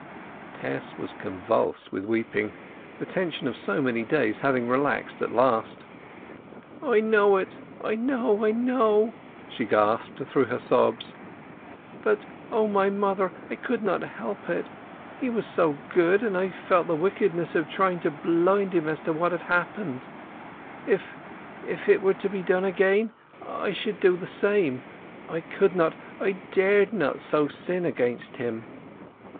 Tess was convulsed with weeping, the tension of so many days having relaxed at last. "I know it—I know—I know!" she gasped through her sobs. "But, O my mother, I could not help it! He was so good—and I felt the wickedness of trying to blind him as to what had happened! If—if—it were to be done again—I should do the same. I could not—I dared not—so sin—against him!"